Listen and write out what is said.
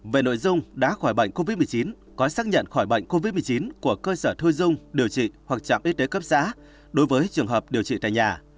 về nội dung đã khỏi bệnh covid một mươi chín có xác nhận khỏi bệnh covid một mươi chín của cơ sở thôi dung điều trị hoặc trạm y tế cấp xã đối với trường hợp điều trị tại nhà